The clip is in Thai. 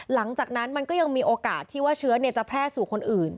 หลังจากนั้นมันก็ยังมีโอกาสที่ว่าเชื้อจะแพร่สู่คนอื่น